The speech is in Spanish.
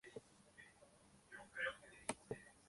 Sus partes superiores son de color pardo grisáceo.